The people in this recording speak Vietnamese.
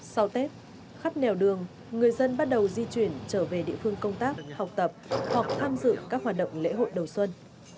sau tết khắp nẻo đường người dân bắt đầu di chuyển trở về địa phương công tác học tập hoặc tham dự các hoạt động lễ hội đầu xuân